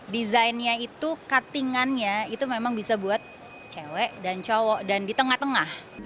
desainnya itu cuttingannya itu memang bisa buat cewek dan cowok dan di tengah tengah